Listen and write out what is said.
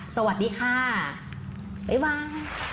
สวัสดีค่ะบ๊ายบาย